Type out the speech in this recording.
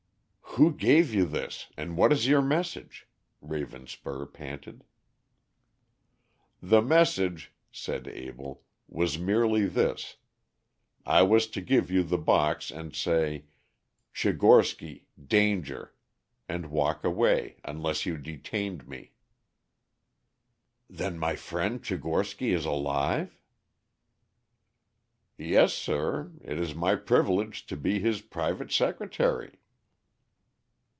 "Who gave you this, and what is your message?" Ravenspur panted. "The message," said Abell, "was merely this. I was to give you the box and say: 'Tchigorsky Danger,' and walk away, unless you detained me." "Then my friend Tchigorsky is alive?" "Yes, sir; it is my privilege to be his private secretary."